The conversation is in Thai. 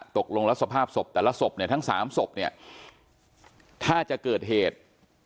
ตกลงแล้วสภาพศพแต่ละศพเนี่ยทั้งสามศพเนี่ยถ้าจะเกิดเหตุ